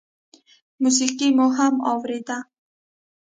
موسيقي مو هم اورېده.